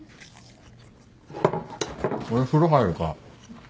俺風呂入るから。